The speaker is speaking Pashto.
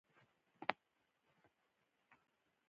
دَپيدائشي ړوند سره استعاره ورکړې ده او وائي: